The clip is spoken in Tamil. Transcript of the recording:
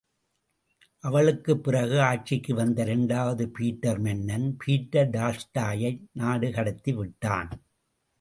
அவளுக்குப் பிறகு ஆட்சிக்கு வந்த இரண்டாவது பீட்டர் மன்னன், பீட்டர் டால்ஸ்டாயை நாடு கடத்தி விட்டான்.